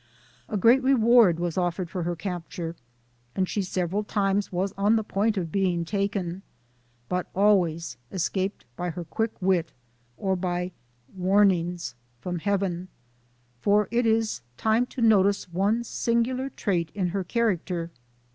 A great reward was offered for her capture, and she several times was on the point of being taken, but always escaped by her quick wit, or by ' warnings ' from Heaven for it is time to notice one singular trait in her character.